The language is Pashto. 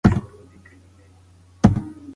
په هغه صورت کې چې شفافیت وي، فساد به زیات نه شي.